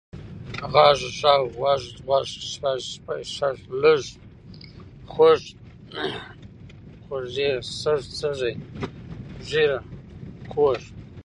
غږ، ږغ، غوَږ، ځوږ، شپږ، شږ، لږ، خوږ، خُوږ، سږ، سږی، ږېره، کوږ،